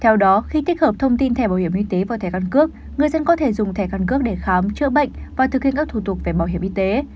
theo đó khi tích hợp thông tin thẻ bảo hiểm y tế vào thẻ căn cước người dân có thể dùng thẻ căn cước để khám chữa bệnh và thực hiện các thủ tục về bảo hiểm y tế